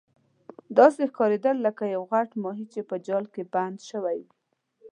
داسې ښکاریدل لکه یو غټ ماهي چې په جال کې بند شوی وي.